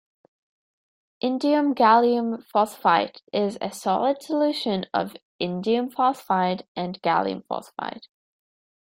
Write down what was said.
Indium gallium phosphide is a solid solution of indium phosphide and gallium phosphide.